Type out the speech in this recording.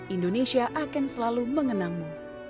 indonesia akan selalu mengenangmu